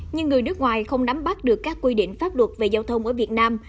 nhưng người nước ngoài không nắm bắt được các quy định pháp luật về giao thông ở việt nam